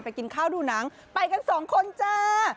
กินข้าวดูหนังไปกันสองคนจ้า